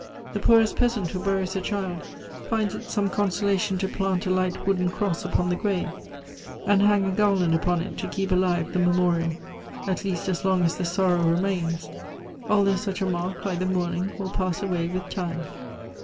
The poorest peasant who buries a child, finds it some consolation to plant a light wooden cross upon the grave, 156 Goethe's and hang a garland upon it, to keep alive the memorial, at least as long as the sorrow remains ; although such a mark, like the mourning, will pass away with time.